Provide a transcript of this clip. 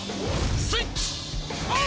スイッチオン！